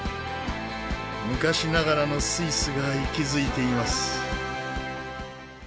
昔ながらのスイスが息づいています。